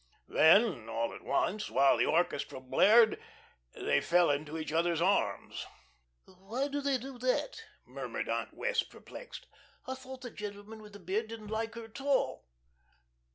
Then all at once, while the orchestra blared, they fell into each other's arms. "Why do they do that?" murmured Aunt Wess' perplexed. "I thought the gentleman with the beard didn't like her at all."